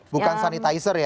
bukan sanitizer ya